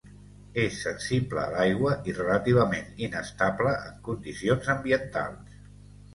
És sensible a l'aigua i relativament inestable en condicions ambientals.